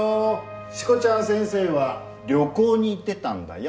しこちゃん先生は旅行に行ってたんだよ。